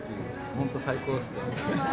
本当、最高ですね。